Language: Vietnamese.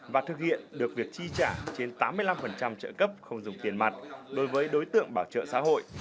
và thực hiện được việc chi trả trên tám mươi năm trợ cấp không dùng tiền mặt đối với đối tượng bảo trợ xã hội